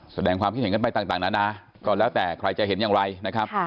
แสดงความคิดเห็นกันไปต่างนานาก็แล้วแต่ใครจะเห็นอย่างไรนะครับ